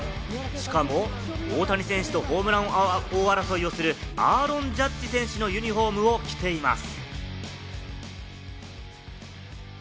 しかも大谷選手とホームラン王争いをするアーロン・ジャッジ選手のユニホームを着ています。